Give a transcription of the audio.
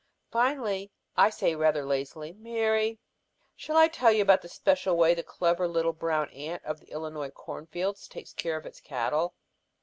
Finally I say, rather lazily, "Mary, shall I tell you about the special way the clever little brown ant of the Illinois corn fields takes care of its cattle?"